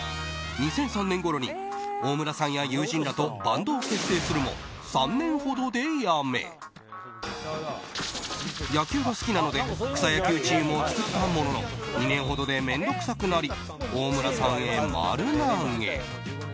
２００３年ごろに大村さんや友人らとバンドを結成するも３年ほどでやめ野球が好きなので草野球チームを作ったものの２年ほどで面倒くさくなり大村さんへ丸投げ。